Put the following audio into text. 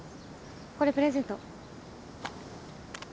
これプレゼント。